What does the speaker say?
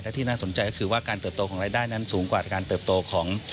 และที่น่าสนใจก็คือว่าการเติบโตของรายได้นั้นสูงกว่าการเติบโตของ